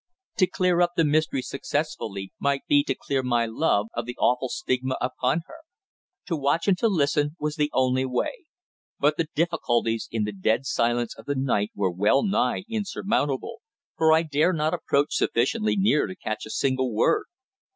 To clear up the mystery successfully might be to clear my love of the awful stigma upon her. To watch and to listen was the only way; but the difficulties in the dead silence of the night were well nigh insurmountable, for I dare not approach sufficiently near to catch a single word.